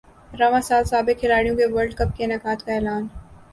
رواں سال سابق کھلاڑیوں کے ورلڈ کپ کے انعقاد کا اعلان